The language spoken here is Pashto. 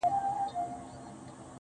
زخمي ـ زخمي سترګي که زما وویني.